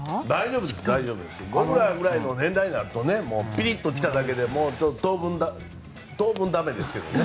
僕らぐらいの年代だとピリッときただけで当分だめですけどね。